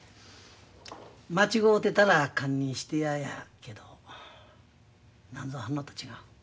間違うてたら堪忍してややけどなんぞあんのと違う？